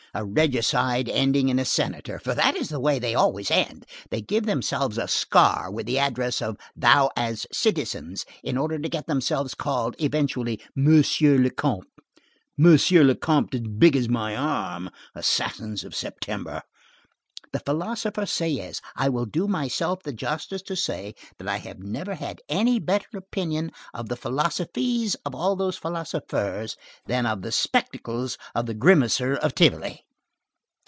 A regicide ending in a senator; for that is the way they always end. They give themselves a scar with the address of thou as citizens, in order to get themselves called, eventually, Monsieur le Comte. Monsieur le Comte as big as my arm, assassins of September. The philosopher Sieyès! I will do myself the justice to say, that I have never had any better opinion of the philosophies of all those philosophers, than of the spectacles of the grimacer of Tivoli!